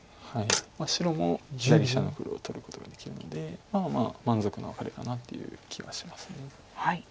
白も左下の黒を取ることができるのでまあまあ満足のワカレかなという気がします。